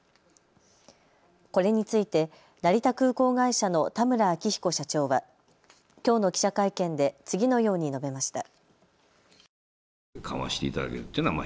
これについて成田空港会社の田村明比古社長はきょうの記者会見で次のように述べました。